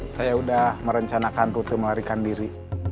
saya udah merencanakan rute melarikan diri